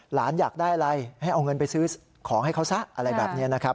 หลานอยากได้อะไรให้เอาเงินไปซื้อของให้เขาซะอะไรแบบนี้นะครับ